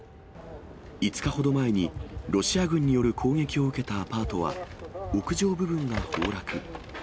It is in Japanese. ５日ほど前に、ロシア軍による攻撃を受けたアパートは、屋上部分が崩落。